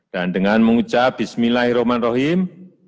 dan dengan mengucap bismillahirrahmanirrahim